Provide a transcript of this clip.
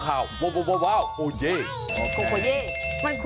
ลืมเขามา